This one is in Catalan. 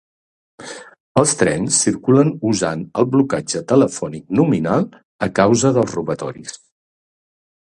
Els trens circulen usant el blocatge telefònic nominal a causa dels robatoris.